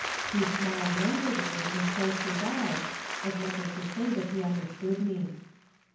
He smiled languidly and closed his eyes, as much as to say that he understood me.